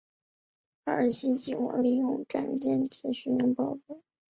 哈尔西计划使用战列舰及巡洋舰炮击日本沿海的军事设施及工厂。